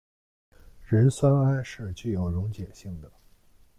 壬酸铵是具有溶解性的。